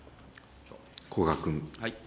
古賀君。